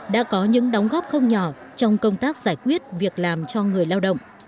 đã có những đóng góp không nhỏ trong công tác giải quyết việc làm cho người lao động